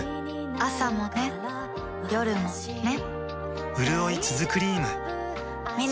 朝もね、夜もね